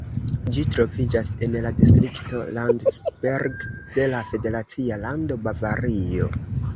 Ĝi troviĝas en la distrikto Landsberg de la federacia lando Bavario.